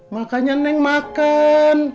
makanya neng makan